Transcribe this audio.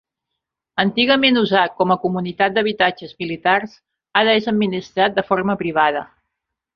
Antigament usat com a comunitat d'habitatges militars, ara és administrat de forma privada.